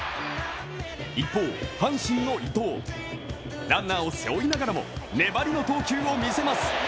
一方、阪神の伊藤、ランナーを背負いながらも粘りの投球を見せます。